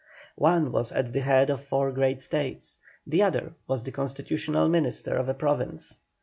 One was at the head of four great States, the other was the constitutional minister of a province.